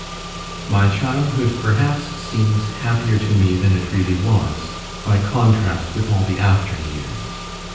My childhood perhaps seems happier to me than it really was, by contrast with all the after years.